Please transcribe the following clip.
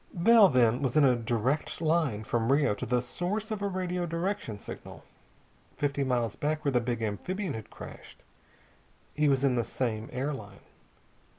Bell, then, was in a direct line from Rio to the source of a radio direction signal. Fifty miles back, where the big amphibian had crashed, he was in the same air line.